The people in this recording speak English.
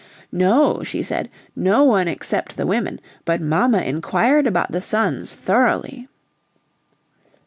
"No," she said, "no one except the women, but mamma inquired about the sons thoroughly!"